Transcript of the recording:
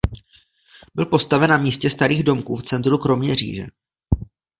Byl postaven na místě starých domků v centru Kroměříže.